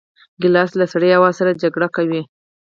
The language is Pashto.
ګیلاس له سړې هوا سره جګړه کوي.